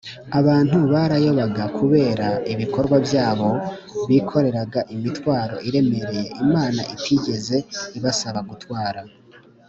abantu barayobaga kubera ibikorwa byabo bikoreraga imitwaro iremereye imana itigeze ibasaba gutwara